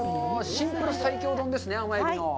シンプル最強丼ですね、甘えびの。